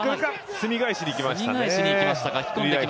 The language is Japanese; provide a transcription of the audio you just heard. すみ返しにいきましたね。